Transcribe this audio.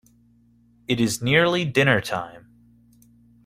It is nearly dinner-time.